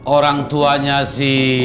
orang tuanya si